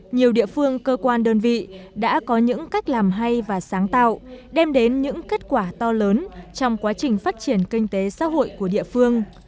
nhiều địa phương cơ quan đơn vị đã có những cách làm hay và sáng tạo đem đến những kết quả to lớn trong quá trình phát triển kinh tế xã hội của địa phương